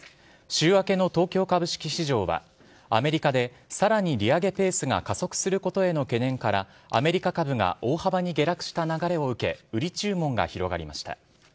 週明けの東京株式市場はアメリカでさらに利上げペースが加速することへの懸念から、アメリカ株が大幅に下落した流れを受け、売り注文が広がりました。